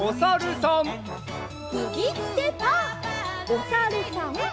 おさるさん。